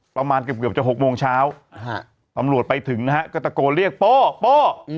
ประมาณเกือบจะ๖โมงเช้าตำรวจไปถึงนะฮะก็ตะโกนเรียกโป้โป้